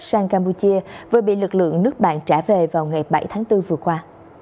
sang campuchia vừa bị lực lượng nước bạn trả về vào ngày bảy tháng bốn vừa qua